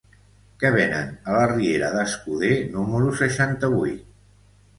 Què venen a la riera d'Escuder número seixanta-vuit?